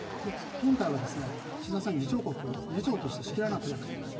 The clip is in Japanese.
今回は、岸田さんは議長として仕切らなければいけない。